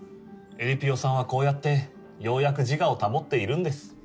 えりぴよさんはこうやってようやく自我を保っているんです